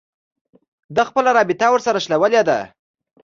ده خپله رابطه ورسره شلولې ده